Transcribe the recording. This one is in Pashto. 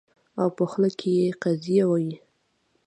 او په خوله کې يې قیضه وي